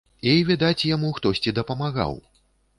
І, відаць, яму хтосьці дапамагаў.